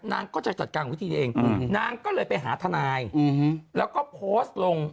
นางก็จะจัดการวิธีเองอืมนางก็เลยไปหาทนายอืมแล้วก็โพสต์ลง